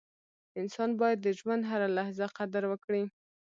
• انسان باید د ژوند هره لحظه قدر وکړي.